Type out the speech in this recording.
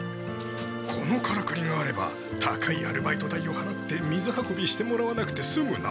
このカラクリがあれば高いアルバイト代をはらって水運びしてもらわなくてすむな。